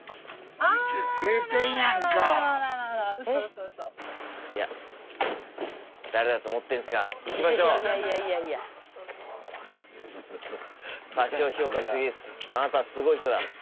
あなたはすごい人だ。